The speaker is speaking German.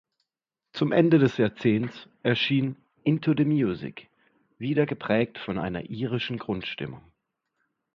Zum Ende des Jahrzehnts erschien "Into the Music", wieder geprägt von einer irischen Grundstimmung.